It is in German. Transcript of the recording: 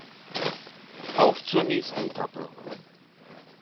Auf zur nächsten Etappe!